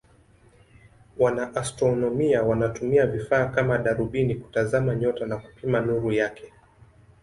Wanaastronomia wanatumia vifaa kama darubini kutazama nyota na kupima nuru yake.